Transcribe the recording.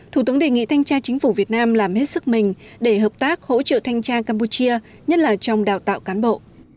thủ tướng đề nghị thanh tra chính phủ việt nam làm hết sức mình để hợp tác hỗ trợ thanh tra campuchia nhất là trong đào tạo cán bộ